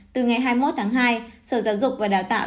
từ ngày hai mươi một hai sở giáo dục và đà tạo